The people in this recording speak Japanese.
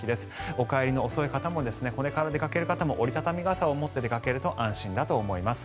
お帰りが遅い方もこれから出かける方も折り畳み傘を持って出かけると安心だと思います。